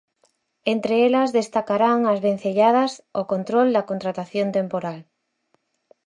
Entre elas, destacarán as vencelladas ao control da contratación temporal.